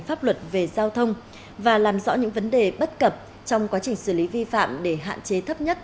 pháp luật về giao thông và làm rõ những vấn đề bất cập trong quá trình xử lý vi phạm để hạn chế thấp nhất